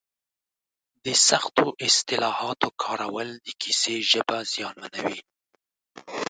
د سختو اصطلاحاتو کارول د کیسې ژبه زیانمنوي.